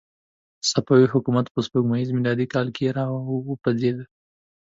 صفوي حکومت په سپوږمیز میلادي کال کې را وپرځېد.